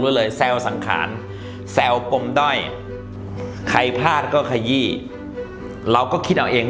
ก็เลยแซวสังขารแซวปมด้อยใครพลาดก็ขยี้เราก็คิดเอาเอง